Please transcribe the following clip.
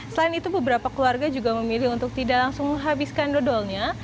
selain itu beberapa keluarga juga memilih untuk tidak langsung menghabiskan dodolnya